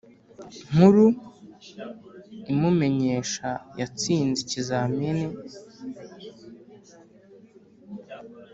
Nkuru imumenyesha yatsinze ikizamini